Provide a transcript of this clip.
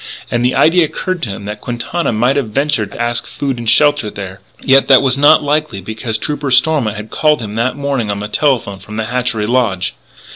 And the idea occurred to him that Quintana might have ventured to ask food and shelter there. Yet, that was not likely because Trooper Stormont had called him that morning on the telephone from the Hatchery Lodge.